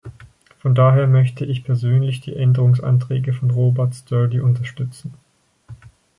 Von daher möchte ich persönlich die Änderungsanträge von Robert Sturdy unterstützen.